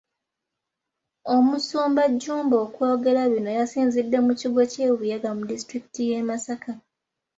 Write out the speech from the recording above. Omusumba Jjumba okwogera bino yasinzidde mu kigo ky’e Buyaga mu disitulikiti y’e Masaka.